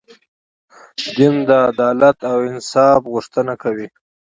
دین د عدالت او انصاف غوښتنه کوي.